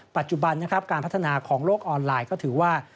ปัจจุบันนะครับการพัฒนาของโลกออนไลน์ก็ถือว่า